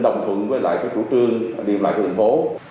đồng thuận với lại các chủ trương điểm lại các thành phố